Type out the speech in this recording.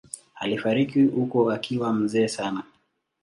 Alifariki huko akiwa mzee sana.